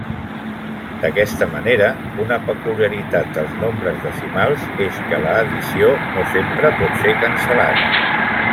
D'aquesta manera una peculiaritat dels nombres decimals és que l'addició no sempre pot ser cancel·lada.